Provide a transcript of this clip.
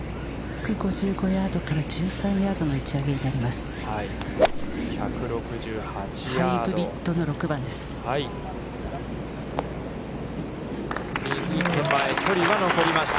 １５５ヤードから、１３ヤードの打ち上げになります。